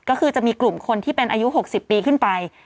ก็คือจะมีกลุ่มคนที่เป็นอายุ๖๐ปีขึ้นไป